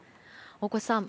大越さん